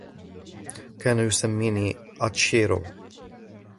كان يسميني اتشيرو.